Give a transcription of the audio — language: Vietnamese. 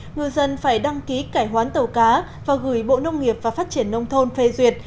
ngư dân phải đăng ký cải hoán tàu cá và gửi bộ nông nghiệp và phát triển nông thôn phê duyệt